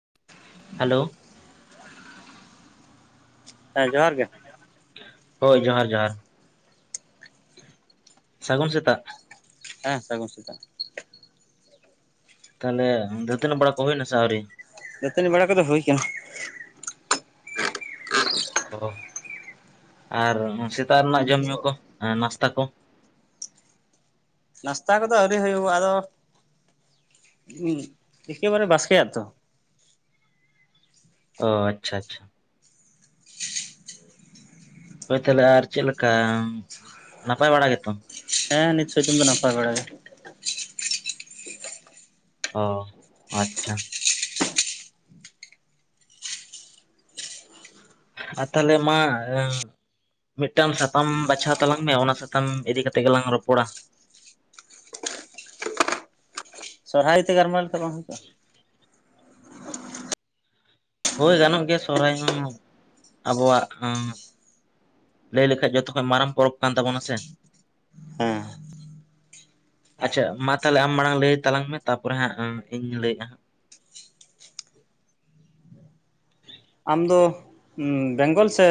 [inaudible] Hello ᱦᱮᱸ ᱡᱚᱦᱟᱨ ᱜᱮ ᱦᱳᱭ ᱡᱚᱦᱟᱨ ᱡᱚᱦᱟᱨ ᱥᱟᱹᱜᱩᱱ ᱥᱮᱛᱟᱜ ᱦᱮᱸ ᱥᱟᱹᱜᱩᱱ ᱥᱮᱛᱟᱜ ᱛᱟᱦᱚᱞᱮ ᱫᱟᱹᱛᱟᱱᱤ ᱵᱟᱲᱟ ᱠᱚ ᱦᱩᱭᱱᱟ ᱥᱮ ᱟᱣᱨᱤ ᱫᱟᱹᱛᱟᱹᱱᱤ ᱵᱟᱲᱟ ᱠᱚᱫᱚ ᱦᱩᱭ ᱟᱠᱟᱱᱟ ᱚ ᱟᱨ ᱥᱮᱛᱟᱜ ᱨᱮᱱᱟᱜ ᱡᱚᱢᱧᱩ ᱠᱚ ᱱᱟᱥᱛᱟ ᱠᱚ ᱱᱟᱥᱛᱟ ᱠᱚᱫᱚ ᱟᱹᱣᱨᱤ ᱦᱩᱭᱩᱜᱼᱟ ᱟᱫᱚ ᱮᱠᱮᱵᱟᱨᱮ ᱵᱟᱥᱠᱮᱭᱟᱜ ᱛᱚ ᱚ ᱟᱪᱪᱷᱟ ᱟᱪᱪᱷᱟ ᱦᱳᱭ ᱛᱟᱦᱚᱞᱮ ᱟᱨ ᱪᱮᱫ ᱞᱮᱠᱟ ᱱᱟᱯᱟᱭ ᱵᱟᱲᱟ ᱜᱮ ᱛᱚ ᱦᱮᱸ ᱱᱤᱥᱪᱭ ᱠᱤᱱᱛᱩ ᱫᱚ ᱱᱟᱯᱟᱭ ᱵᱟᱲᱟ ᱜᱮ ᱟᱪᱪᱷᱟ ᱚ ᱟᱪᱪᱷᱟ ᱟᱨ ᱛᱟᱦᱚᱞᱮ ᱢᱟ ᱢᱤᱫᱴᱟᱝ ᱥᱟᱛᱟᱢ ᱵᱟᱪᱷᱟᱣ ᱛᱟᱞᱟᱝ ᱢᱮ ᱚᱱᱟ ᱥᱟᱛᱟᱢ ᱤᱫᱤ ᱠᱟᱛᱮᱜ ᱜᱮᱞᱟᱝ ᱨᱚᱯᱚᱲᱟ ᱥᱚᱨᱦᱟᱭ ᱛᱮ ᱜᱟᱨᱢᱟᱨᱟᱣ ᱞᱮᱠᱷᱟᱱ ᱵᱟᱝ ᱦᱩᱭ ᱠᱚᱜ-ᱟ ᱦᱳᱭ ᱜᱟᱱᱚᱜ ᱜᱮᱭᱟ ᱥᱚᱨᱦᱟᱭ ᱦᱚᱸ ᱟᱵᱚᱣᱟᱜ ᱞᱟᱹᱭ ᱞᱮᱠᱷᱟᱡ ᱡᱚᱛᱚᱠᱷᱚᱡ ᱢᱟᱨᱟᱝ ᱯᱚᱨᱚᱵᱽ ᱠᱟᱱ ᱛᱟᱵᱚᱱᱟ ᱥᱮ ᱦᱮᱸ ᱟᱪᱪᱷᱟ ᱢᱟ ᱛᱟᱦᱚᱞᱮ ᱟᱢ ᱢᱟᱲᱟᱝ ᱞᱟᱹᱭ ᱛᱟᱞᱟᱝ ᱢᱮ ᱛᱟᱯᱚᱨᱮ ᱦᱟᱸᱜ ᱤᱧ ᱞᱟᱹᱭᱮᱫᱼᱟ ᱦᱟᱸᱜ ᱦᱮᱸ [inaudible] ᱟᱢ ᱫᱚ ᱵᱮᱸᱜᱚᱞ ᱥᱮ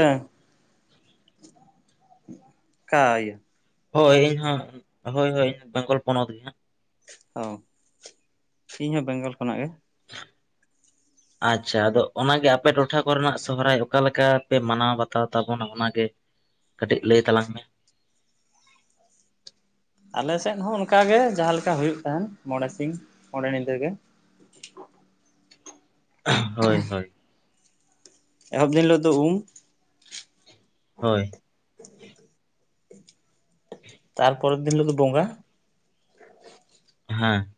ᱠᱟ ᱤᱭᱟ ᱦᱳᱭ ᱤᱧ ᱦᱚ ᱦᱳᱭ ᱦᱳᱭ ᱤᱧ ᱵᱮᱝᱜᱚᱞ ᱯᱚᱱᱚᱛ ᱜᱮ ᱦᱟᱸᱜ ᱚ ᱤᱧ ᱦᱚᱸ ᱵᱮᱝᱜᱚᱞ ᱠᱷᱚᱱᱟᱜ ᱜᱮ [inaudible] ᱟᱪᱪᱷᱟ ᱟᱫᱚ ᱚᱱᱟᱜᱮ ᱟᱯᱮ ᱴᱚᱴᱷᱟ ᱠᱚᱨᱮᱱᱟᱜ ᱥᱚᱦᱨᱟᱭ ᱚᱠᱟᱞᱮ ᱞᱮᱠᱟ ᱯᱮ ᱢᱟᱱᱟᱣ ᱵᱟᱛᱟᱣ ᱛᱟᱵᱚᱱᱟ ᱚᱱᱟᱜᱮ ᱠᱟᱹᱴᱤᱡ ᱞᱟᱹᱭ ᱛᱟᱞᱟᱝ ᱢᱮ ᱟᱞᱮᱥᱮᱫ ᱦᱚᱸ ᱚᱱᱠᱟᱜᱮ ᱡᱟᱦᱟ ᱞᱮᱠᱟ ᱦᱩᱭᱩᱜ ᱛᱟᱦᱮᱱ ᱢᱚᱬᱮ ᱥᱤᱧ ᱢᱚᱬᱮ ᱧᱤᱫᱟᱹ ᱜᱮ ᱦᱳᱭ ᱦᱳᱭ ᱮᱦᱚᱵ ᱫᱤᱱ ᱦᱤᱞᱳᱜ ᱫᱚ ᱩᱢ ᱦᱳᱭ [unintelligible] ᱛᱟᱨᱯᱚᱨᱮᱨ ᱫᱤᱱ ᱦᱤᱞᱚᱜ ᱫᱚ ᱵᱚᱸᱜᱟ ᱦᱮᱸ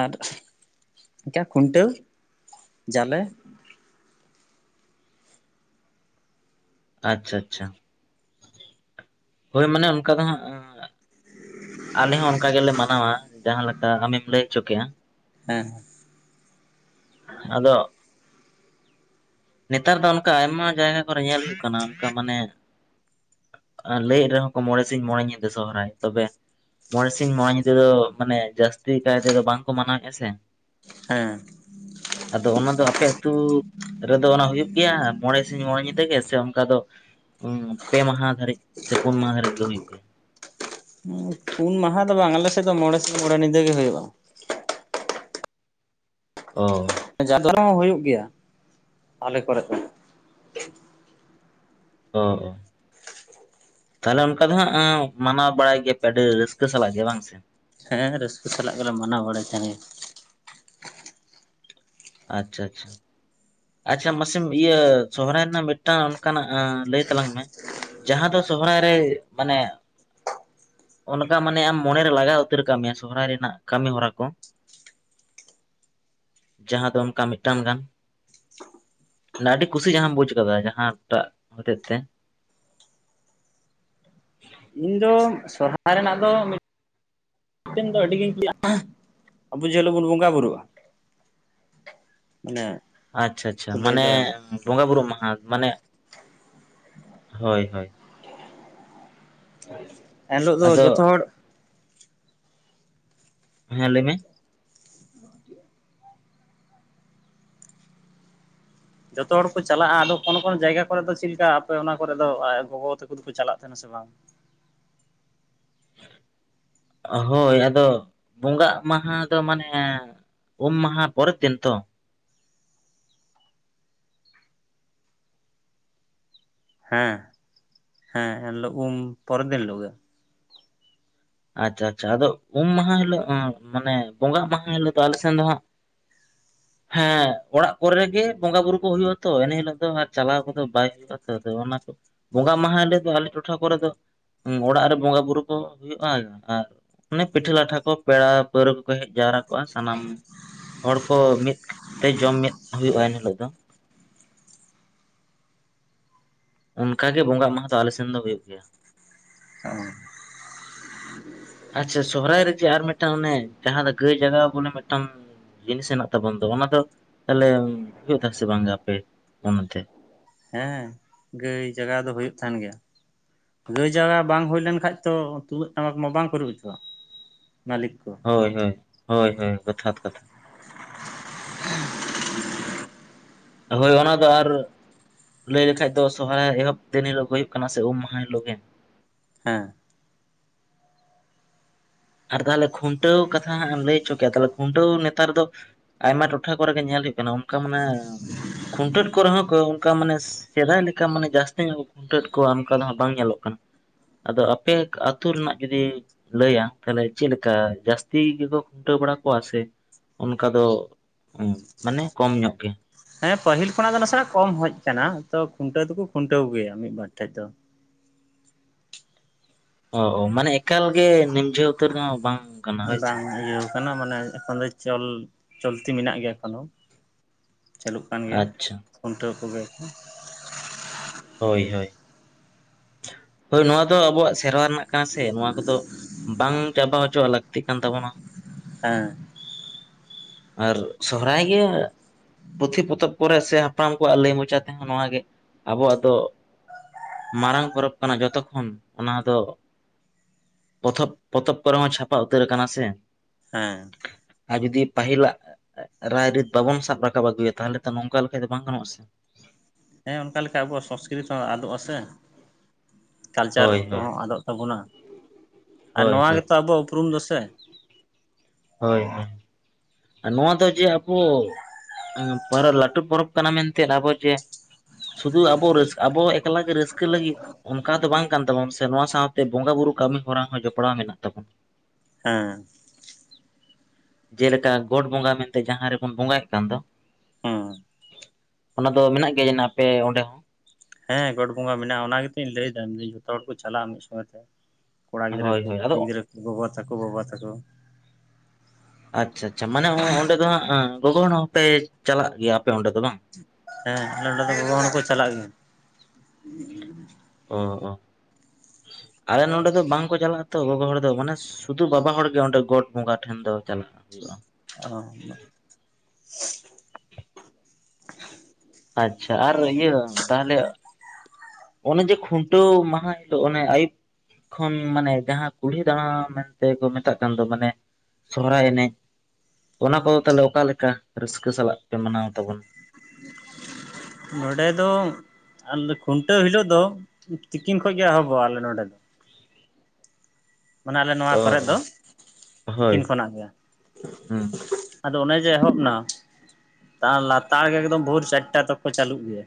ᱟᱨ ᱡᱟ ᱠᱷᱩᱱᱴᱟᱹᱣ ᱡᱟᱞᱮ ᱟᱪᱪᱷᱟ ᱟᱪᱪᱷᱟ ᱦᱳᱭ ᱢᱟᱱᱮ ᱚᱱᱠᱟ ᱫᱚ ᱦᱟᱸᱜ ᱟᱞᱮ ᱦᱚᱸ ᱚᱱᱠᱟ ᱜᱮᱞᱮ ᱢᱟᱱᱟᱣᱟ ᱡᱟᱦᱟ ᱞᱮᱠᱟ ᱟᱢᱮᱢ ᱞᱟᱹᱭ ᱚᱪᱚ ᱠᱮᱜᱼᱟ᱾ ᱦᱮᱸ ᱦᱮᱸ ᱟᱫᱚ ᱱᱮᱛᱟᱨ ᱫᱚ ᱚᱱᱠᱟ ᱟᱭᱢᱟ ᱡᱟᱭᱜᱟ ᱠᱚᱨᱮ ᱧᱮᱞ ᱦᱩᱭᱩᱜ ᱠᱟᱱᱟ᱾ ᱚᱱᱠᱟ ᱢᱟᱱᱮ ᱞᱟᱹᱭᱮᱫ ᱨᱮᱦᱚᱸ ᱠᱚ ᱢᱚᱬᱮ ᱥᱤᱧ ᱢᱚᱬᱮ ᱧᱤᱫᱟᱹ ᱥᱚᱦᱚᱨᱟᱭ ᱛᱚᱵᱮ ᱢᱚᱬᱮ ᱥᱤᱧ ᱢᱚᱬᱮ ᱧᱤᱫᱟᱹ ᱫᱚ ᱢᱟᱱᱮ ᱡᱟᱹᱥᱛᱤ ᱠᱟᱭ ᱛᱮᱫᱚ ᱵᱟᱝᱠᱚ ᱢᱟᱱᱟᱣᱮᱭᱼᱟᱜ ᱥᱮ ᱦᱮᱸ ᱟᱫᱚ ᱚᱱᱟ ᱫᱚ ᱟᱯᱮ ᱟᱹᱛᱩ ᱨᱮᱫᱚ ᱚᱱᱟ ᱦᱩᱭᱩᱜ ᱜᱮᱭᱟ ᱢᱚᱬᱮ ᱥᱤᱧ ᱢᱚᱬᱮ ᱧᱤᱫᱟᱹ ᱜᱮ ᱥᱮ ᱚᱱᱠᱟ ᱫᱚ ᱯᱮ ᱢᱟᱦᱟ ᱫᱷᱟᱹᱨᱤᱡ ᱥᱮ ᱯᱩᱱ ᱢᱟᱦᱟ ᱫᱷᱟᱹᱨᱤᱡ ᱜᱮ ᱦᱩᱭᱩᱜ ᱜᱮᱭᱟ᱾ [unintelligible] ᱯᱩᱱ ᱢᱟᱦᱟ ᱫᱚ ᱵᱟᱝ ᱟᱞᱮ ᱥᱮᱫ ᱫᱚ ᱢᱚᱬᱮ ᱥᱤᱧ ᱢᱚᱬᱮ ᱧᱤᱫᱟᱹ ᱜᱮ ᱦᱩᱭᱩᱜᱼᱟ᱾ ᱚ ᱡᱟᱫᱚᱨ ᱦᱚᱸ [unintelligible] ᱦᱩᱭᱩᱜ ᱜᱮᱭᱟ [inaudible] ᱟᱞᱮ ᱠᱚᱨᱮ ᱦᱚᱸ ᱚ ᱚ ᱛᱟᱦᱞᱮ ᱚᱱᱠᱟ ᱫᱚ ᱦᱟᱜ ᱢᱟᱱᱟᱣ ᱵᱟᱲᱟᱭ ᱜᱮᱭᱟᱯᱮ ᱟᱹᱰᱤ ᱨᱟᱹᱥᱠᱟᱹ ᱥᱟᱞᱟᱜ ᱜᱮ ᱵᱟᱝ ᱥᱮ ᱦᱮᱸ ᱨᱟᱹᱥᱠᱟᱹ ᱥᱟᱞᱟᱜ ᱜᱮᱞᱮ ᱢᱟᱱᱟᱣ ᱵᱟᱲᱟᱭ ᱛᱟᱦᱮᱸ ᱟᱪᱪᱷᱟ ᱟᱪᱪᱷᱟ ᱟᱪᱪᱷᱟ ᱢᱟᱥᱮᱢ ᱤᱭᱟᱹ ᱥᱚᱦᱨᱟᱭ ᱨᱮᱱᱟᱜ ᱢᱤᱫᱴᱟᱝ ᱚᱱᱠᱟᱱᱟᱜ ᱞᱟᱹᱭ ᱛᱟᱞᱟᱝ ᱢᱮ ᱡᱟᱦᱟᱸ ᱫᱚ ᱥᱚᱦᱨᱟᱭ ᱨᱮ ᱢᱟᱱᱮ ᱚᱱᱠᱟ ᱢᱟᱱᱮ ᱟᱢ ᱢᱚᱱᱮ ᱨᱮ ᱞᱟᱜᱟᱣ ᱩᱛᱟᱹᱨ ᱠᱟᱜ ᱢᱮᱭᱟ ᱥᱚᱦᱨᱟᱭ ᱨᱮᱱᱟᱜ ᱠᱟᱹᱢᱤ ᱦᱚᱨᱟ ᱠᱚ [inaudible] ᱡᱟᱦᱟᱸ ᱫᱚ ᱚᱱᱠᱟ ᱢᱤᱫᱴᱟᱝ ᱜᱟᱱ ᱟᱹᱰᱤ ᱠᱩᱥᱤ ᱡᱟᱦᱟᱸ ᱟᱢ ᱵᱩᱡ ᱠᱟᱫᱟ ᱡᱟᱦᱟᱸ ᱴᱟᱜ ᱦᱚᱛᱮᱡ ᱛᱮ ᱤᱧ ᱫᱚ ᱥᱚᱨᱦᱟᱭ ᱨᱮᱱᱟᱜ ᱫᱚ ᱢᱤᱫ ᱢᱤᱫ ᱫᱚ ᱟᱹᱰᱤᱜᱤᱧ ᱠᱩᱟᱜᱼᱟ ᱟᱵᱚ ᱡᱮᱦᱤᱞᱳᱜ ᱵᱚᱱ ᱵᱚᱸᱜᱟ ᱵᱩᱨᱩᱜᱼᱟ᱾ ᱚᱱᱮ ᱟᱪᱪᱷᱟ ᱟᱪᱪᱷᱟ ᱢᱟᱱᱮ ᱵᱚᱸᱜᱟ ᱵᱩᱨᱩ ᱢᱟᱦᱟ ᱢᱟᱱᱮ [inaudible] ᱦᱳᱭ ᱦᱳᱭ [inaudible] ᱮᱱᱦᱤᱞᱳᱜ ᱫᱚ ᱟᱫᱚ ᱡᱚᱛᱚ ᱦᱚᱲ ᱦᱮᱸ ᱞᱟᱹᱭ ᱢᱮ ᱡᱚᱛᱚ ᱦᱚᱲ ᱠᱚ ᱪᱟᱞᱟᱜᱼᱟ ᱟᱫᱚ ᱠᱚᱱᱳ ᱠᱚᱱᱚ ᱡᱟᱭᱜᱟ ᱠᱚᱨᱮ ᱫᱚ ᱪᱮᱫ ᱞᱮᱠᱟ ᱟᱯᱮ ᱚᱱᱟ ᱠᱚᱨᱮ ᱜᱚᱜᱚ ᱛᱟᱠᱚ ᱫᱚᱠᱚ ᱪᱟᱞᱟᱜ ᱛᱟᱦᱮᱸ [unintelligible] ᱥᱮ ᱵᱟᱝ ᱦᱳᱭ ᱟᱫᱚ ᱵᱚᱸᱜᱟᱜ ᱢᱟᱦᱟ ᱫᱚ ᱢᱟᱱᱮ ᱩᱢ ᱢᱟᱦᱟ ᱯᱚᱨᱮ ᱫᱤᱱ ᱛᱚ ᱦᱮᱸ ᱦᱮᱸ ᱮᱱᱦᱤᱞᱳᱜ ᱩᱢ ᱯᱚᱨᱮᱨ ᱫᱤᱱ ᱦᱤᱞᱳᱜ ᱜᱮ ᱟᱪᱪᱷᱟ ᱟᱪᱪᱷᱟ ᱟᱫᱚ ᱩᱢ ᱢᱟᱦᱟ ᱦᱤᱞᱳᱜ ᱢᱟᱱᱮ ᱵᱚᱸᱜᱟᱜ ᱢᱟᱦᱟ ᱦᱤᱞᱳᱜ ᱫᱚ ᱟᱞᱮ ᱥᱮᱱ ᱫᱚ ᱦᱟᱸᱜ [inaudible] ᱦᱮᱸ ᱚᱲᱟᱜ ᱠᱚᱨᱮ ᱜᱮ ᱵᱚᱸᱜᱟ ᱵᱩᱨᱩ ᱠᱚ ᱦᱩᱭᱩᱜᱼᱟ ᱛᱚ ᱮᱱ ᱦᱤᱞᱳᱜ ᱫᱚ ᱟᱨ ᱪᱟᱞᱟᱣ ᱠᱚᱫᱚ ᱵᱟᱭ ᱦᱩᱭᱩᱜ-ᱟ ᱛᱚ ᱚᱱᱟ ᱠᱚ ᱵᱚᱸᱜᱟ ᱢᱟᱦᱟ ᱟᱞᱮ ᱫᱚ ᱟᱞᱮ ᱴᱚᱴᱷᱟ ᱠᱚᱨᱮ ᱫᱚ ᱚᱲᱟᱜ ᱨᱮ ᱵᱚᱸᱜᱟ ᱵᱩᱨᱩ ᱠᱚ ᱦᱩᱭᱩᱜ ᱟᱨ ᱚᱱᱮ ᱯᱤᱴᱷᱟᱹ ᱞᱟᱴᱷᱟ ᱠᱚ ᱯᱮᱲᱟ ᱯᱟᱹᱣᱨᱟᱹ ᱠᱚᱠᱚ ᱦᱮᱡ ᱡᱟᱣᱨᱟ ᱠᱚᱜᱼᱟ᱾ ᱥᱟᱱᱟᱢ ᱦᱚᱲ ᱠᱚ ᱢᱤᱫ ᱛᱮ ᱡᱚᱢ ᱢᱤᱫ ᱦᱩᱭᱩᱜᱼᱟ ᱮᱱ ᱦᱤᱞᱳᱜ ᱫᱚ ᱚᱱᱠᱟ ᱜᱮ ᱵᱚᱸᱟᱜ ᱢᱟᱦᱟ ᱫᱚ ᱟᱞᱮ ᱥᱮᱱ ᱫᱚ ᱦᱩᱭᱩᱜ ᱜᱮᱭᱟ᱾ [inaudible] ᱟᱪᱪᱷᱟ ᱥᱚᱦᱚᱨᱟᱭ ᱨᱮ ᱡᱮ ᱟᱨ ᱢᱤᱫᱴᱟᱝ ᱚᱱᱮ ᱡᱟᱦᱟᱸ ᱫᱚ ᱜᱟᱹᱭ ᱡᱟᱜᱟᱣ ᱵᱚᱞᱮ ᱢᱤᱫᱴᱟᱝ ᱡᱤᱱᱤᱥ ᱦᱮᱱᱟᱜ ᱛᱟᱵᱚᱱ ᱫᱚ ᱚᱱᱟ ᱫᱚ ᱛᱟᱦᱚᱞᱮ ᱦᱩᱭᱩᱜ ᱛᱟᱦᱮ ᱥᱮ ᱵᱟᱝ ᱜᱮ ᱟᱯᱮ ᱚᱱᱚᱱᱛᱮ ᱦᱮᱸ ᱜᱟᱹᱭ ᱡᱟᱜᱟ ᱫᱚ ᱦᱩᱭᱩᱜ ᱛᱟᱦᱮᱸᱱ ᱜᱮᱭᱟ ᱜᱟᱹᱭ ᱡᱟᱜᱟ ᱵᱟᱝ ᱦᱩᱭ ᱞᱮᱱ ᱠᱷᱟᱡ ᱛᱚ ᱛᱩᱢᱫᱟᱹᱜ ᱴᱟᱢᱟᱠ ᱢᱟ ᱵᱟᱝ ᱠᱚ ᱨᱩ ᱦᱚᱪᱚ-ᱟᱜ ᱢᱟᱹᱞᱤᱠ ᱠᱚ ᱦᱳᱭ ᱦᱳᱭ ᱦᱳᱭ ᱦᱳᱭ ᱡᱚᱛᱷᱟᱛ ᱠᱟᱛᱷᱟ ᱦᱳᱭ ᱚᱱᱟ ᱫᱚ ᱟᱨ ᱞᱟᱹᱭ ᱞᱮᱠᱷᱟᱡ ᱫᱚ ᱥᱚᱦᱚᱨᱟᱭ ᱮᱦᱚᱵ ᱫᱤᱱ ᱦᱤᱞᱳᱜ ᱜᱮ ᱦᱩᱭᱩᱜ ᱠᱟᱱᱟ ᱥᱮ ᱩᱢ ᱢᱟᱦᱟ ᱦᱤᱞᱳᱜ ᱜᱮ ᱦᱮᱸ ᱟᱨ ᱛᱟᱦᱚᱞᱮ ᱠᱷᱩᱱᱴᱟᱹᱣ ᱠᱟᱛᱷᱟ ᱦᱟᱸᱜ ᱮᱢ ᱞᱟᱹᱭ ᱦᱚᱪᱚ ᱠᱮᱜ ᱟ ᱛᱟᱦᱞᱮ ᱠᱷᱩᱱᱴᱟᱹᱣ ᱱᱮᱛᱟᱨ ᱫᱚ ᱟᱭᱢᱟ ᱴᱚᱴᱷᱟ ᱠᱚᱨᱮ ᱜᱮ ᱧᱮᱞ ᱦᱳᱭᱳᱜ ᱠᱟᱱᱟ ᱚᱝᱠᱟ ᱢᱟᱱᱮ ᱠᱷᱩᱱᱴᱟᱹᱣ ᱮᱫ ᱠᱚᱨᱮ ᱦᱚᱸ ᱠᱚ ᱚᱝᱠᱟ ᱢᱟᱱᱮ ᱥᱮᱫᱟᱭ ᱞᱮᱠᱟ ᱢᱟᱱᱮ ᱡᱟᱹᱥᱛᱤ ᱧᱚᱜ ᱠᱷᱩᱱᱴᱟᱹᱣ ᱮᱫ ᱠᱚᱣᱟ ᱚᱝᱠᱟ ᱫᱚ ᱦᱟᱸᱜ ᱵᱟᱝ ᱧᱮᱞᱚᱜ ᱠᱟᱱᱟ ᱟᱫᱚ ᱟᱯᱮ ᱟᱹᱛᱩ ᱨᱮᱱᱟᱜ ᱡᱩᱫᱤ ᱞᱟᱹᱭᱼᱟ ᱛᱟᱦᱞᱮ ᱪᱮᱫ ᱞᱮᱠᱟ ᱡᱟᱹᱥᱛᱤ ᱜᱮᱠᱚ ᱠᱷᱩᱱᱴᱟᱹᱣ ᱵᱟᱲᱟ ᱠᱚᱣᱟ ᱥᱮ ᱚᱱᱠᱟ ᱫᱚ ᱢᱟᱱᱮ ᱠᱚᱢ ᱧᱚᱸᱜ ᱜᱮ ᱦᱮᱸ ᱯᱟᱹᱦᱤᱞ ᱠᱷᱚᱱᱟᱜ ᱫᱚ ᱱᱟ ᱥᱮᱱᱟᱜ ᱦᱮᱸ ᱯᱟᱦᱤᱞ ᱠᱷᱚᱱᱟᱜ ᱫᱚ ᱱᱟᱥᱮᱱᱟᱜ ᱠᱚᱢ ᱦᱮᱡᱽ ᱠᱟᱱᱟ ᱛᱚ ᱠᱷᱩᱱᱴᱟᱹᱣ ᱫᱚᱠᱚ ᱠᱷᱩᱱᱴᱟᱹᱣ ᱠᱚ ᱜᱮᱭᱟ ᱢᱤᱫ ᱵᱟᱨ ᱴᱷᱮᱡ ᱫᱚ ᱚ ᱚ ᱢᱟᱱᱮ ᱮᱠᱟᱞ ᱜᱮ [unintelligible] ᱩᱛᱟᱹᱨ ᱱᱟ ᱵᱟᱝ ᱠᱟᱱᱟ ᱦᱳᱭ ᱥᱮ ᱵᱟᱝ ᱤᱭᱟᱹ ᱠᱟᱱᱟ ᱢᱟᱱᱮ ᱮᱠᱷᱚᱱ ᱫᱚ ᱪᱚᱞ ᱪᱚᱠᱛᱤ ᱢᱮᱱᱟᱜ ᱜᱮᱭᱟ ᱮᱠᱷᱚᱱ ᱚ ᱪᱟᱹᱞᱩᱜ ᱠᱟᱱ ᱜᱮᱭᱟ ᱟᱪᱪᱷᱟ ᱠᱷᱩᱱᱴᱟᱹᱣ ᱠᱚ ᱜᱮᱭᱟ ᱠᱚ ᱦᱳᱭ ᱦᱳᱭ [inaudible] ᱦᱳᱭ ᱱᱚᱣᱟ ᱫᱚ ᱟᱵᱚᱣᱟᱜ ᱥᱮᱨᱣᱟ ᱨᱮᱱᱟᱜ ᱠᱟᱱᱟ ᱥᱮ ᱱᱚᱣᱟ ᱠᱚᱫᱚ ᱵᱟᱝ ᱪᱟᱵᱟ ᱦᱚᱪᱚᱣᱟᱜ ᱞᱟᱹᱠᱛᱤᱜ ᱠᱟᱱ ᱛᱟᱵᱚᱱᱟ [unintelligible] ᱟᱨ ᱥᱚᱦᱚᱨᱟᱭ ᱜᱮ ᱯᱩᱛᱷᱤ ᱯᱚᱛᱚᱵ ᱠᱚᱨᱮ ᱥᱮ ᱦᱟᱯᱲᱟᱢ ᱠᱚᱣᱟᱜ ᱞᱟᱹᱭ ᱢᱚᱪᱟ ᱛᱮᱦᱚᱸ ᱱᱚᱣᱟ ᱜᱮ ᱟᱵᱚᱣᱟᱜ ᱫᱚ ᱢᱟᱨᱟᱝ ᱯᱚᱨᱚᱵᱽ ᱠᱟᱱᱟ ᱡᱚᱛᱚ ᱠᱷᱚᱱ ᱚᱱᱟ ᱫᱚ ᱯᱚᱛᱚᱵ ᱯᱚᱛᱚᱵ ᱠᱚᱨᱮ ᱦᱚᱸ ᱪᱷᱟᱯᱟ ᱩᱛᱟᱹᱨ ᱟᱠᱟᱱᱟ ᱥᱮ ᱦᱮᱸ [unintelligible] ᱡᱩᱫᱤ ᱯᱟᱦᱤᱞ ᱟᱜ ᱨᱟᱹᱭ ᱨᱤᱛ ᱵᱟᱵᱚᱱ ᱥᱟᱵ ᱨᱟᱠᱟᱵ ᱟᱹᱜᱩᱭᱟ ᱛᱟᱦᱞᱮ ᱛᱚ ᱱᱚᱝᱠᱟ ᱞᱮᱠᱷᱟᱡ ᱫᱚ ᱵᱟᱝ ᱜᱟᱱᱚᱜ-ᱟ ᱥᱮ ᱦᱮᱸ ᱚᱝᱠᱟ ᱞᱮᱠᱟ ᱟᱵᱚᱣᱟᱜ ᱥᱚᱥᱠᱨᱤᱛ ᱦᱚᱸ ᱟᱫᱚᱜᱼᱟ ᱥᱮ ᱠᱟᱞᱪᱟᱨ ᱦᱳᱭ ᱦᱳᱭ ᱠᱚᱦᱚᱸ ᱟᱫᱚᱜ ᱛᱟᱵᱚᱱᱟ ᱟᱨ ᱦᱳᱭ ᱱᱚᱣᱟ ᱦᱳᱭ ᱜᱮᱛᱚ ᱟᱵᱚᱣᱟᱜ ᱩᱯᱨᱩᱢ ᱫᱚ ᱥᱮ ᱦᱳᱭ ᱦᱳᱭ ᱱᱚᱣᱟ ᱫᱚ ᱡᱮ ᱟᱵᱚ ᱞᱟᱹᱴᱩ ᱯᱚᱨᱚᱵᱽ ᱠᱟᱱᱟ ᱢᱮᱱ ᱛᱮ ᱟᱵᱚ ᱡᱮ ᱥᱩᱫᱩ ᱟᱵᱚ ᱨᱟᱹᱥᱠᱟᱹ ᱟᱵᱚ ᱮᱠᱞᱟ ᱜᱮ ᱨᱟᱹᱥᱠᱟᱹ ᱞᱟᱹᱜᱤᱫ ᱚᱱᱠᱟ ᱫᱚ ᱵᱟᱝ ᱠᱟᱱ ᱛᱟᱵᱚᱱ ᱥᱮ ᱱᱚᱶᱟ ᱥᱟᱶ ᱛᱮ ᱵᱚᱸᱜᱟ ᱵᱩᱨᱩ ᱠᱟᱹᱢᱤ ᱦᱚᱨᱟ ᱦᱚᱸ ᱡᱚᱯᱲᱟᱣ ᱢᱮᱱᱟᱜ ᱛᱟᱵᱚᱱ [unintelligible] ᱡᱮᱞᱮᱠᱟ ᱜᱚᱴ ᱵᱚᱸᱜᱟ ᱢᱮᱱᱛᱮ ᱡᱟᱦᱟᱸ ᱨᱮ ᱵᱚᱱ ᱵᱚᱸᱜᱟᱭ-ᱮᱫ ᱠᱟᱱ ᱫᱚ ᱦᱮᱸ ᱚᱱᱟ ᱫᱚ ᱢᱮᱱᱟᱜ ᱜᱮᱭᱟ [unintelligible] ᱟᱯᱮ ᱚᱸᱰᱮ ᱦᱚᱸ ᱦᱮᱸ ᱜᱚᱴ ᱵᱚᱸᱜᱟ ᱢᱮᱱᱟᱜᱼᱟ ᱚᱱᱟ ᱜᱮ ᱛᱚᱧ ᱞᱟᱹᱭ ᱫᱟ ᱡᱚᱛᱚ ᱦᱚᱲ ᱠᱚ ᱪᱟᱞᱟᱜᱼᱟ ᱢᱤᱫ ᱥᱚᱸᱜᱮ ᱛᱮ ᱠᱚᱲᱟ ᱜᱤᱫᱽᱨᱟᱹ ᱦᱳᱭ ᱠᱚ ᱦᱳᱭ ᱠᱩᱲᱤ ᱟᱫᱚ ᱜᱤᱫᱽᱨᱟᱹ ᱠᱚ ᱜᱚᱜᱚ ᱛᱟᱠᱚ ᱵᱟᱵᱟ ᱛᱟᱠᱚ ᱟᱪᱪᱷᱟ ᱟᱪᱪᱷᱟ ᱢᱟᱱᱮ ᱚᱸᱰᱮ ᱫᱚ ᱦᱟᱸᱜ ᱜᱚᱜᱚ ᱦᱚᱲ ᱦᱚᱸᱯᱮ ᱪᱟᱞᱟᱜ ᱜᱮᱭᱟ ᱟᱯᱮ ᱚᱸᱰᱮ ᱫᱚ ᱵᱟᱝ ᱦᱮᱸ ᱟᱞᱮ ᱱᱚᱰᱮ [unintelligible] ᱫᱚ ᱜᱚᱜᱚ ᱦᱚᱲ ᱦᱚᱸᱠᱚ ᱪᱟᱞᱟᱜ ᱜᱮᱭᱟ ᱚ ᱚ ᱟᱞᱮ ᱱᱚᱰᱮ ᱫᱚ ᱵᱟᱝᱠᱚ ᱪᱟᱞᱟᱜᱼᱟ ᱛᱚ ᱜᱚᱜᱚ ᱦᱚᱲ ᱫᱚ ᱢᱟᱱᱮ ᱥᱩᱫᱩ ᱵᱟᱵᱟ ᱦᱚᱲ ᱜᱮ ᱚᱸᱰᱮ ᱜᱚᱴ ᱵᱚᱸᱜᱟ ᱴᱷᱮᱱ ᱫᱚ ᱪᱟᱞᱟᱜ ᱦᱳᱭᱳᱜᱼᱟ [unintelligible] ᱟᱪᱪᱷᱟ ᱟᱨ ᱤᱭᱟᱹ ᱛᱟᱦᱞᱮ ᱚᱱᱮ ᱡᱮ ᱠᱷᱩᱱᱴᱟᱹᱣ ᱢᱟᱦᱟ ᱦᱤᱞᱳᱜ ᱚᱱᱮ ᱟᱹᱭᱩᱵ ᱠᱷᱚᱱ ᱢᱟᱱᱮ ᱡᱟᱸᱦᱟ ᱠᱩᱞᱦᱤ ᱫᱟᱲᱟ ᱢᱮᱱᱛᱮ ᱠᱚ ᱢᱮᱛᱟᱜ ᱠᱟᱱ ᱫᱚ ᱢᱟᱱᱮ ᱥᱚᱦᱚᱨᱟᱭ ᱮᱱᱮᱡ ᱚᱱᱟ ᱫᱚ ᱛᱟᱦᱞᱮ ᱚᱠᱟ ᱞᱮᱠᱟ ᱨᱟᱹᱥᱠᱟᱹ ᱥᱟᱞᱟᱜ ᱯᱮ ᱢᱟᱱᱟᱣ ᱛᱟᱵᱚᱱᱟ [inaudible] ᱱᱚᱸᱰᱮ ᱫᱚ [unintelligible] ᱠᱷᱩᱱᱴᱟᱹᱣ ᱦᱤᱞᱳᱜ ᱫᱚ ᱛᱤᱠᱤᱱ ᱠᱷᱚᱡ ᱜᱮ ᱮᱦᱚᱵᱚᱜᱼᱟ ᱟᱞᱮ ᱱᱚᱸᱰᱮ ᱢᱟᱱᱮ ᱟᱞᱮ ᱱᱚᱣᱟ ᱚ ᱠᱚᱨᱮᱫ ᱫᱚ ᱚ ᱦᱳᱭ ᱛᱤᱠᱤᱱ ᱠᱷᱚᱱᱟᱜ ᱜᱮ ᱦᱩᱸ ᱟᱫᱚ ᱚᱱᱮ ᱡᱮ ᱮᱦᱚᱵ ᱱᱟ [unintelligible] [unintelligible] [unintelligible] ᱪᱟᱹᱞᱩᱜ ᱜᱮᱭᱟ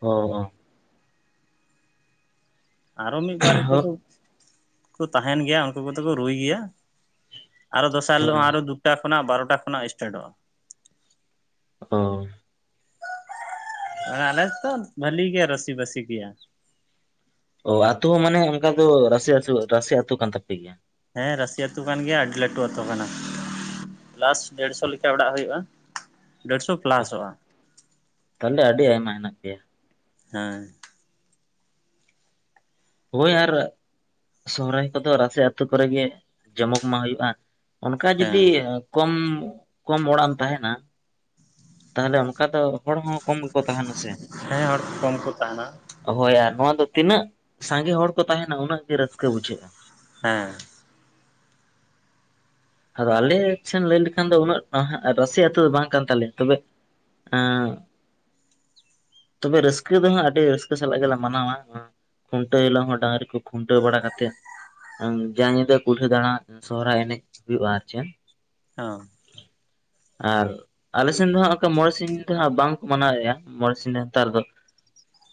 ᱚ ᱚ ᱟᱨ ᱚ ᱢᱤᱫ ᱵᱟᱨ ᱮ ᱠᱚ ᱫᱚ ᱠᱚ ᱛᱟᱦᱮᱱ ᱜᱮᱭᱟ ᱩᱱᱠᱩ ᱠᱚᱫᱚ ᱠᱚ ᱨᱩᱭ ᱜᱮᱭᱟ ᱟᱨᱚ ᱫᱚᱥᱟᱨ ᱦᱤᱞᱳᱜ ᱦᱳᱭ ᱦᱚᱸ ᱟᱨᱚ ᱫᱩᱴᱟ ᱠᱷᱚᱱᱟᱜ ᱵᱟᱨᱚ ᱴᱟ ᱠᱷᱚᱱᱟᱜ ᱤᱥᱴᱟᱴᱚᱜᱼᱟ ᱚ ᱟᱞᱮ ᱛᱚ ᱵᱷᱟᱹᱞᱤ ᱜᱮ ᱨᱟᱹᱥᱤ ᱵᱟᱹᱥᱤ ᱜᱤᱭᱟ ᱚ ᱟᱹᱛᱳ ᱦᱚᱸ ᱢᱟᱱᱮ ᱚᱱᱠᱟ ᱫᱚ ᱨᱟᱹᱥᱤ ᱟᱥᱤ ᱨᱟᱥᱤ ᱟᱹᱛᱩ ᱠᱟᱱ ᱛᱟᱯᱮ ᱜᱮᱭᱟ ᱦᱮᱸ ᱨᱟᱥᱤ ᱟᱛᱳ ᱠᱟᱱ ᱜᱮᱭᱟ ᱟᱹᱰᱤ ᱞᱟᱹᱴᱩ ᱟᱛᱳ ᱠᱟᱱᱟ ᱯᱞᱟᱥ ᱫᱮᱲᱥᱚ ᱞᱮᱠᱟ ᱚᱲᱟᱜ ᱦᱩᱭᱩᱜᱼᱟ ᱰᱮᱲᱥᱚ ᱯᱞᱟᱥᱚᱜᱼᱟ ᱛᱟᱦᱚᱞᱮ ᱟᱹᱰᱤ ᱟᱭᱢᱟ ᱦᱮᱱᱟᱜ ᱯᱮᱭᱟ ᱦᱮ ᱦᱳᱭ ᱟᱨ ᱥᱚᱦᱨᱟᱭ ᱠᱚᱫᱚ ᱨᱟᱥᱤ ᱟᱹᱛᱩ ᱠᱚᱨᱮ ᱜᱮ ᱡᱚᱢᱚᱠ ᱢᱟ ᱦᱩᱭᱩᱜᱼᱟ ᱚᱱᱠᱟ ᱦᱮᱸ ᱡᱩᱫᱤ ᱠᱚᱢ ᱠᱚᱢ ᱚᱲᱟᱜ ᱮᱢ ᱛᱟᱦᱮᱱᱟ ᱛᱟᱦᱞᱮ ᱚᱱᱠᱟ ᱫᱚ ᱦᱚᱲ ᱦᱚᱸ ᱠᱚᱢ ᱜᱮᱠᱚ ᱛᱟᱦᱮᱱᱟ ᱥᱮ ᱦᱮᱸ ᱦᱚᱲ ᱠᱚ ᱠᱚᱢ ᱠᱚ ᱛᱟᱦᱮᱱᱟ ᱦᱳᱭ ᱟᱨ ᱱᱚᱣᱟ ᱫᱚ ᱛᱤᱱᱟᱹᱜ ᱥᱟᱸᱜᱮ ᱦᱚᱲ ᱠᱚ ᱛᱟᱦᱮᱱᱟ ᱩᱱᱟᱹᱜ ᱜᱮ ᱨᱟᱹᱥᱠᱟᱹ ᱵᱩᱡᱷᱟᱹᱜᱼᱟ ᱦᱮᱸ ᱟᱫᱚ ᱟᱞᱮ ᱥᱮᱱ ᱞᱟᱹᱭ ᱞᱮᱠᱷᱟᱱ ᱫᱚ ᱩᱱᱟᱹᱜ ᱨᱟᱹᱥᱤ‌ ᱟᱹᱛᱩ ᱫᱚ ᱵᱟᱝ ᱠᱟᱱ ᱛᱟᱞᱮᱭᱼᱟ ᱛᱚᱵᱮ ᱮᱸᱻ ᱛᱚᱵᱮ ᱨᱟᱹᱥᱠᱟᱹ ᱫᱚ ᱦᱟᱸᱜ ᱟᱹᱰᱤ ᱨᱟᱹᱥᱠᱟᱹ ᱥᱟᱞᱟᱜ ᱜᱮᱞᱮ ᱢᱟᱱᱟᱣᱟ ᱠᱷᱩᱱᱴᱟᱹᱣ ᱦᱤᱞᱳᱜ ᱦᱚᱸ ᱰᱟᱝᱨᱤ ᱠᱚ ᱠᱷᱩᱱᱴᱟᱹᱣ ᱵᱟᱲᱟ ᱠᱟᱛᱮ ᱡᱟ ᱧᱤᱫᱟᱹ ᱠᱩᱞᱦᱤ ᱫᱟᱬᱟᱱ ᱥᱚᱦᱨᱟᱭ ᱮᱱᱮᱡ ᱦᱩᱭᱩᱜᱼᱟ ᱟᱨ ᱪᱮᱫ ᱚ [inaudible] ᱟᱨ ᱟᱞᱮ ᱥᱮᱱ ᱫᱚ ᱦᱟᱸᱜ ᱚᱱᱠᱟ ᱢᱚᱬᱮ ᱥᱤᱧ ᱫᱚ ᱦᱟᱜ ᱵᱟᱝᱠᱚ ᱢᱟᱱᱟᱣᱮᱫᱼᱟ ᱢᱚᱬᱮ ᱥᱤᱧ ᱱᱮᱛᱟᱨ ᱫᱚ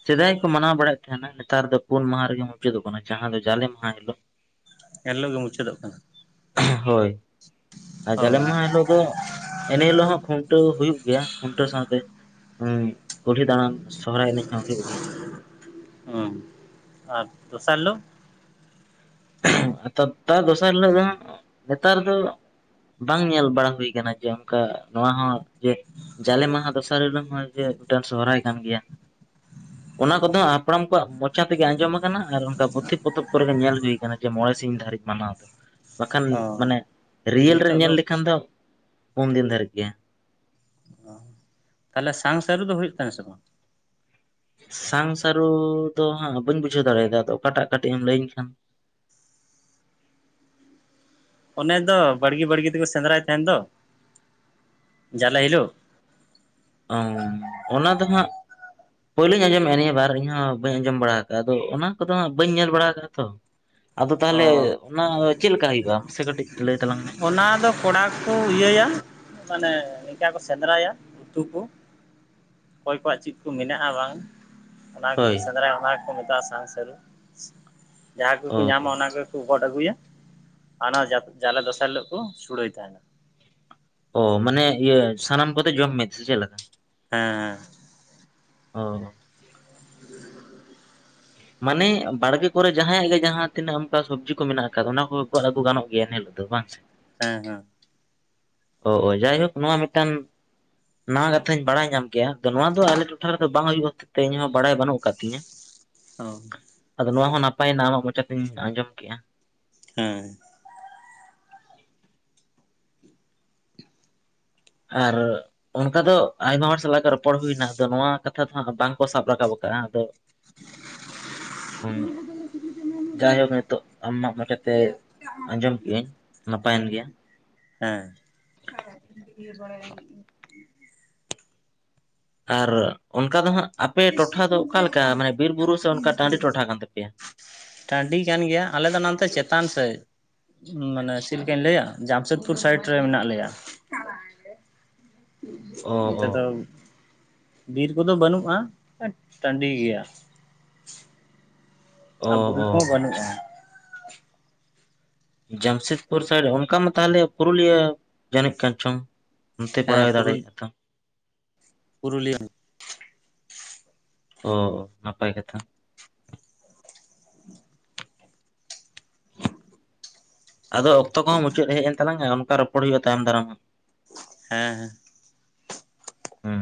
ᱥᱮᱫᱟᱭ ᱠᱚ ᱢᱟᱱᱟᱣ ᱵᱟᱲᱟᱭᱮᱫ ᱛᱟᱦᱮᱱᱟ ᱱᱮᱛᱟᱨ ᱫᱚ ᱯᱩᱱ ᱢᱟᱦᱟ ᱨᱮᱜᱮ ᱢᱩᱪᱟᱹᱫᱚᱜ ᱠᱟᱱᱟ ᱡᱟᱦᱟᱸ ᱫᱚ ᱡᱟᱞᱮ ᱢᱟᱦᱟ ᱦᱤᱞᱳᱜ ᱮᱱ ᱦᱤᱞᱚᱜ ᱜᱮ ᱢᱩᱪᱟᱹᱫᱚᱜ ᱠᱟᱱᱟ ᱦᱳᱭ ᱟᱨ ᱚ ᱡᱟᱞᱮ ᱢᱟᱦᱟ ᱦᱤᱞᱳᱜ ᱫᱚ ᱮᱱᱮ ᱦᱤᱞᱳᱜ ᱦᱚᱸ ᱠᱷᱩᱱᱴᱟᱹᱣ ᱦᱩᱭᱩᱜ ᱜᱮᱭᱟ ᱠᱷᱩᱱᱴᱟᱹᱣ ᱥᱟᱶᱛᱮ ᱦᱩᱸ ᱠᱩᱞᱦᱤ ᱫᱟᱬᱟᱱ ᱥᱚᱨᱦᱟᱭ ᱮᱱᱮᱡ ᱦᱚᱸ ᱦᱩᱭᱩᱜ ᱜᱮᱭᱟ ᱚᱸ ᱟᱨ ᱫᱚᱥᱟᱨ ᱦᱤᱞᱳᱜ [unintelligible] ᱛᱟᱨ ᱫᱚᱥᱟᱨ ᱦᱤᱞᱚᱜ ᱫᱚ ᱱᱮᱛᱟᱨ ᱫᱚ ᱵᱟᱝ ᱧᱮᱞ ᱵᱟᱲᱟ ᱦᱩᱭ ᱠᱟᱱᱟ ᱡᱮ ᱚᱱᱠᱟ ᱱᱚᱣᱟ ᱦᱚᱸ ᱡᱮ ᱡᱟᱞᱮ ᱢᱟᱦᱟ ᱫᱚᱥᱟᱨ ᱦᱤᱞᱚᱜ ᱦᱚᱸ ᱡᱮ ᱢᱤᱫᱴᱮᱱ ᱥᱚᱦᱨᱟᱭ ᱠᱟᱱ ᱜᱮᱭᱟ ᱚᱱᱟ ᱠᱚᱫᱚ ᱦᱟᱯᱲᱟᱢ ᱠᱚᱣᱟᱜ ᱢᱚᱪᱟ ᱛᱮᱜᱮ ᱟᱸᱡᱚᱢ ᱟᱠᱟᱱᱟ ᱟᱨ ᱚᱱᱠᱟ ᱯᱩᱛᱷᱤ ᱯᱚᱛᱚᱵ ᱠᱚᱨᱮ ᱜᱮ ᱧᱮᱞ ᱦᱩᱭ ᱟᱠᱟᱱᱟ ᱠᱟᱱᱟ ᱡᱮ ᱢᱚᱬᱮ ᱥᱤᱧ ᱫᱷᱟᱹᱨᱤᱡ ᱢᱟᱱᱟᱣ ᱫᱚ ᱵᱟᱠᱷᱟᱱ ᱚ ᱢᱟᱱᱮ ᱨᱤᱭᱮᱞ ᱨᱮ ᱧᱮᱞ ᱞᱮᱠᱷᱟᱱ ᱫᱚ ᱯᱩᱱ ᱫᱤᱱ ᱫᱷᱟᱹᱨᱤᱡ ᱜᱮ ᱚ ᱛᱟᱦᱚᱞᱮ ᱥᱟᱝ ᱥᱟᱹᱨᱩ ᱫᱚ ᱦᱩᱭᱩᱜ ᱛᱟᱦᱮᱱᱟ ᱥᱮ ᱵᱟᱝ ᱥᱟᱝ ᱥᱟᱹᱨᱩ ᱫᱚ ᱦᱟᱸᱜ ᱵᱟᱹᱧ ᱵᱩᱡᱷᱟᱹᱣ ᱫᱟᱲᱮᱭᱟᱫᱟ ᱟᱫᱚ ᱚᱠᱟᱴᱟᱜ ᱠᱟᱹᱴᱤᱡ ᱮᱢ ᱞᱟᱹᱭᱟᱹᱧ ᱠᱷᱟᱱ ᱚᱱᱮ ᱫᱚ ᱵᱟᱲᱜᱮ ᱵᱟᱲᱜᱮ ᱛᱮᱠᱚ ᱥᱮᱸᱫᱽᱨᱟᱭ ᱛᱟᱦᱮᱱ ᱫᱚ ᱡᱟᱞᱮ ᱦᱤᱞᱳᱜ ᱚ ᱚᱱᱟ ᱫᱚ ᱦᱟᱸᱜ ᱯᱳᱭᱞᱳᱧ ᱟᱸᱡᱚᱢᱮᱫᱼᱟ ᱱᱤᱭᱟᱹ ᱵᱟᱨ ᱤᱧᱦᱚ ᱵᱟᱹᱧ ᱟᱸᱡᱚᱢ ᱵᱟᱲᱟ ᱟᱠᱟᱜᱼᱟ ᱫᱚ ᱚᱱᱟ ᱠᱚᱫᱚ ᱵᱟᱹᱧ ᱧᱮᱞ ᱵᱟᱲᱟ ᱠᱟᱜ ᱼᱟ ᱛᱚ ᱟᱫᱚ ᱚ ᱛᱟᱦᱞᱮ ᱚᱱᱟ ᱪᱮᱫᱞᱮᱠᱟ ᱦᱩᱭᱩᱜᱼᱟ ᱢᱟᱥᱮ ᱠᱟᱹᱴᱤᱡ ᱞᱟᱹᱭ ᱛᱟᱞᱟᱝ ᱢᱮ ᱚᱱᱟ ᱫᱚ ᱠᱚᱲᱟ ᱠᱚ ᱤᱭᱟᱹᱭᱟ ᱢᱟᱱᱮ ᱱᱤᱝᱠᱟ ᱠᱚ ᱥᱮᱸᱫᱽᱨᱟᱭᱟ ᱩᱛᱩ ᱠᱚ ᱚᱠᱚᱭ ᱠᱚᱣᱟᱜ ᱪᱮᱫ ᱠᱚ ᱢᱮᱱᱟᱜᱼᱟ ᱵᱟᱝ ᱚᱱᱟ ᱠᱚ ᱦᱳᱭ ᱥᱮᱸᱫᱽᱨᱟᱭ-ᱟ ᱚᱱᱟ ᱜᱮᱠᱚ ᱢᱮᱛᱟᱜᱼᱟ ᱥᱟᱝ ᱥᱟᱹᱨᱩ ᱡᱟᱦᱟ ᱚ ᱠᱚᱠᱚ ᱧᱟᱢᱟ ᱚᱱᱟ ᱜᱮ ᱠᱚ ᱜᱚᱫ ᱟᱹᱜᱩᱭᱟ ᱟᱨ ᱚᱱᱟ ᱡᱟᱞᱮ ᱫᱚᱥᱟᱨ ᱦᱤᱞᱚᱜ ᱠᱚ ᱥᱩᱲᱟᱹᱭ ᱛᱟᱦᱮᱱᱟ ᱚ ᱢᱟᱱᱮ ᱤᱭᱟᱹ ᱥᱟᱱᱟᱢ ᱠᱚᱛᱮ ᱡᱚᱢ ᱢᱤᱫ ᱥᱮ ᱪᱮᱫ ᱞᱮᱠᱟ? ᱦᱮᱸ ᱾ ᱚ ᱾ [inaudible] ᱢᱟᱱᱮ ᱵᱟᱲᱜᱮ ᱠᱚᱨᱮ ᱡᱟᱦᱟᱸᱭᱟᱜ ᱜᱮ ᱡᱟᱦᱟᱸ ᱛᱤᱱᱟᱹᱜ ᱚᱱᱠᱟ ᱥᱚᱵᱽᱡᱤ ᱠᱚ ᱢᱮᱱᱟᱜ ᱟᱠᱟᱫᱟ ᱚᱱᱟ ᱠᱚ ᱟᱹᱜᱩ ᱜᱟᱱᱚᱜ ᱜᱮᱭᱟ ᱮᱱ ᱦᱤᱞᱳᱜᱼᱼ ᱫᱚ ᱵᱟᱝ ᱥᱮ? ᱦᱮᱸ ᱦᱮᱸ ᱾ ᱚ ᱡᱟᱭ ᱦᱳᱠ ᱱᱚᱣᱟ ᱢᱤᱫᱴᱟᱱ ᱼᱼ ᱱᱟᱣᱟ ᱠᱟᱛᱷᱟᱧ ᱵᱟᱲᱟᱭ ᱧᱟᱢ ᱠᱮᱭᱟ ᱟᱫᱚ ᱱᱚᱣᱟ ᱫᱚ ᱟᱞᱮ ᱴᱚᱴᱷᱟ ᱨᱮᱫᱚ ᱵᱟᱝ ᱦᱩᱭᱩᱜ ᱠᱷᱟᱹᱛᱤᱨ ᱛᱮ ᱤᱧᱦᱚᱸ ᱵᱟᱲᱟᱭ ᱵᱟᱹᱱᱩᱜ ᱟᱠᱟᱫ ᱛᱤᱧᱟᱹ ᱾ ᱚ ᱾ ᱟᱫᱚ ᱱᱚᱣᱟ ᱦᱚᱸ ᱱᱟᱯᱟᱭ ᱮᱱᱟ ᱟᱢᱟᱜ ᱢᱚᱪᱟᱛᱤᱧ ᱟᱸᱡᱚᱢ ᱠᱮᱫᱼᱟ ᱾ ᱦᱮᱸ ᱾ ᱟᱨ ᱾ ᱚᱱᱠᱟ ᱫᱚ ᱟᱭᱢᱟ ᱦᱚᱲ ᱥᱟᱞᱟᱜ ᱜᱮ ᱨᱚᱯᱚᱲ ᱦᱩᱭᱮᱱᱟ ᱟᱫᱚ ᱱᱚᱣᱟ ᱠᱟᱛᱷᱟ ᱫᱚ ᱦᱟᱸᱜ ᱵᱟᱝᱠᱚ ᱥᱟᱵ ᱨᱟᱠᱟᱵ ᱟᱠᱟᱫᱟ ᱟᱫᱚᱼᱼ [inaudible] ᱡᱟᱭ ᱦᱳᱠ ᱱᱤᱛᱚᱜ ᱟᱢᱟᱜ ᱢᱟᱭᱟ ᱛᱮ ᱟᱸᱡᱚᱢ ᱠᱮᱜ ᱟᱹᱧ ᱾ ᱱᱟᱯᱟᱭᱮᱱ ᱜᱮᱭᱟ ᱾ ᱦᱮᱸ ᱾ ᱟᱨ ᱚᱱᱠᱟ ᱫᱚ ᱦᱟᱸᱜ ᱟᱯᱮ ᱴᱚᱴᱷᱟ ᱫᱚ ᱚᱠᱟ ᱞᱮᱠᱟ ᱢᱟᱱᱮ ᱵᱤᱨ ᱵᱩᱨᱩ ᱥᱮ ᱚᱱᱠᱟ ᱴᱟᱺᱰᱤ ᱴᱚᱴᱷᱟ ᱠᱟᱱ ᱛᱟᱯᱮᱭᱟ? ᱴᱟᱺᱰᱤ ᱠᱟᱱ ᱜᱮᱭᱟ ᱟᱞᱮ ᱫᱚ ᱱᱟᱛᱮ ᱪᱮᱛᱟᱱ ᱥᱮᱫ᱾ ᱢᱟᱱᱮ ᱪᱮᱫ ᱞᱮᱠᱟᱧ ᱞᱟᱹᱭᱟ ᱡᱟᱢᱥᱮᱫᱽᱯᱩᱨ ᱥᱟᱭᱤᱰ ᱨᱮ ᱢᱮᱱᱟᱜ ᱞᱮᱭᱟ ᱾ ᱚ ᱚ ᱱᱚᱛᱮ ᱫᱚ ᱵᱤᱨ ᱠᱚᱫᱚ ᱵᱟᱹᱱᱩᱜᱼᱟ ᱴᱟᱺᱰᱤ ᱜᱮᱭᱟ ᱾ ᱚ ᱟᱨ ᱵᱩᱨᱩ ᱚ ᱠᱚᱦᱚᱸ ᱟᱪᱪᱷᱟ ᱵᱟᱹᱱᱩᱜᱼᱟ ᱾ ᱡᱟᱢᱥᱮᱫᱽᱯᱩᱨ ᱥᱟᱭᱤᱰ ᱚᱱᱠᱟ ᱢᱟ ᱛᱟᱦᱚᱞᱮ ᱯᱩᱨᱩᱞᱤᱭᱟᱹ ᱡᱟᱹᱱᱤᱡ ᱠᱟᱱ ᱪᱚᱝ ᱼᱼ ᱚᱱᱛᱮ ᱦᱮᱸ ᱯᱟᱲᱟᱣ ᱯᱩᱨᱩᱞ ᱫᱟᱲᱮᱭᱟᱜᱼᱟ ᱛᱚ ᱾ ᱯᱩᱨᱩᱞᱤᱭᱟᱹ ᱾ ᱚ ᱱᱟᱯᱟᱭ ᱠᱟᱛᱷᱟ ᱾ ᱟᱫᱚ ᱚᱠᱛᱚ ᱠᱚᱦᱚᱸ ᱢᱩᱪᱟᱹᱫ ᱦᱮᱡ ᱮᱱ ᱛᱟᱞᱟᱝᱼᱟ ᱚᱱᱠᱟ ᱨᱚᱯᱚᱲ ᱦᱩᱭᱩᱜᱼᱟ ᱛᱟᱭᱚᱢ ᱫᱟᱨᱟᱢ ᱦᱚᱸ ᱾ ᱦᱮᱸ ᱦᱮᱸ ᱾ ᱦᱮᱸ